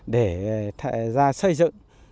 để ra xây dựng